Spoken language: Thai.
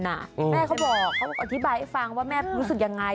แม่เขาบอกเขาอธิบายให้ฟังว่าแม่รู้สึกยังไง